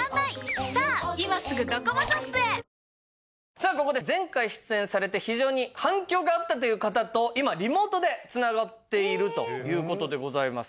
さあここで前回出演されて非常に反響があったという方と今リモートで繋がっているという事でございます。